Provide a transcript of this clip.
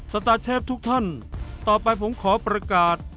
สตาร์เชฟทุกท่านต่อไปผมขอประกาศ